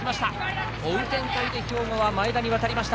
追う展開で兵庫は前田に渡りました。